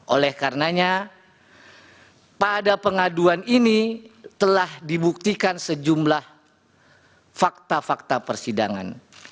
oleh karenanya pada pengaduan ini telah dibuktikan sejumlah fakta fakta persidangan